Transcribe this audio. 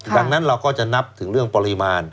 ดังนั้นเราก็จะนับถึงเรื่องปริมาณ